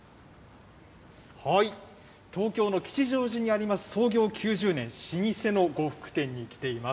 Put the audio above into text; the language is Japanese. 東京の吉祥寺にあります、創業９０年、老舗の呉服店に来ています。